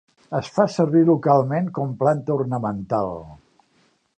Es fa servir localment com planta ornamental.